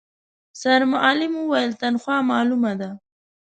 سرمعلم وويل، تنخوا مالومه ده.